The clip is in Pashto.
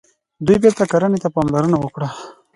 دوی بیرته کرنې ته پاملرنه وکړه.